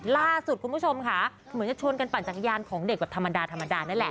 ล่าสุดคุณผู้ชมค่ะเหมือนจะชวนกันปั่นจักรยานของเด็กแบบธรรมดาธรรมดานั่นแหละ